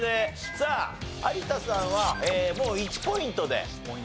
さあ有田さんはもう１ポイントでいいんですね。